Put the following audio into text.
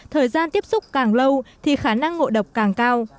thời gian tiếp xúc càng lâu thì khả năng ngộ độc càng cao